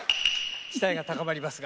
期待が高まりますが。